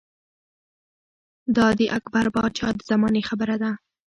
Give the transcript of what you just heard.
دا د اکبر باچا د زمانې خبره ده